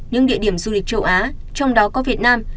những địa điểm du lịch châu á trong đó có việt nam